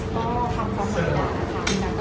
ก็ทำต่อหมดแล้วนะครับ